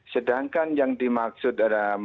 sedangkan yang dimaksud